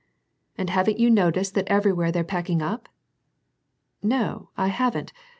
"And haven't you noticed that everywhere they're packing up?" "No, I haven't.